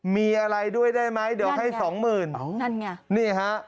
มีอะไรด้วยได้ไหมเดี๋ยวให้สองหมื่นอ๋อนั่นไงนี่ฮะ